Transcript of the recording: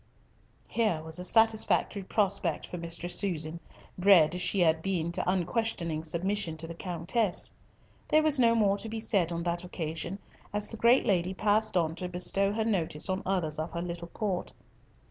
Here was a satisfactory prospect for Mistress Susan, bred as she had been to unquestioning submission to the Countess. There was no more to be said on that occasion, as the great lady passed on to bestow her notice on others of her little court.